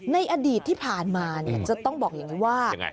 ในอดีตที่ผ่านมาจะต้องบอกอย่างนี้ว่า